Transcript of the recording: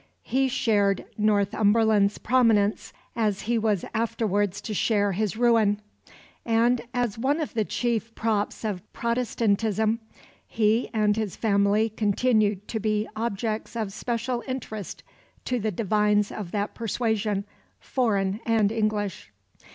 He shared Northumberland's prominence, as he was afterwards to share his ruin; and, as one of the chief props of Protestantism, he and his family continued to be objects of special interest to the divines of that persuasion, foreign and English.